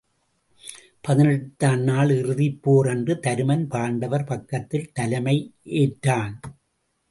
பதினெட்டாம் நாள் இறுதிப்போர் அன்று தருமன் பாண்டவர் பக்கத்தில் தலைமை ஏற்றான்.